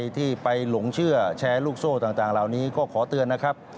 ที่ไปหลงเชื่อแชร์ลูกโซ่ต่างเหล่านี้ก็ขอเตือนนะครับ